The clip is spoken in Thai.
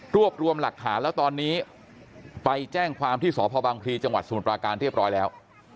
รวมรวมหลักฐานแล้วตอนนี้ไปแจ้งความที่สพบังพลีจังหวัดสมุทรปราการเรียบร้อยแล้ว